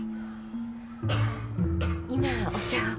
今お茶を。